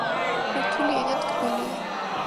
ქართული ენა ტკბილია